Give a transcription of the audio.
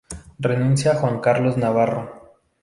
Renuncia Juan Carlos Navarro.